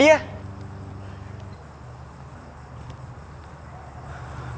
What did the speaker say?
pengen lihat di gabung